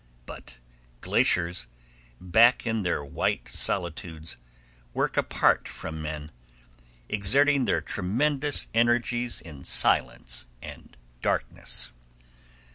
But glaciers, back in their white solitudes, work apart from men, exerting their tremendous energies in silence and darkness.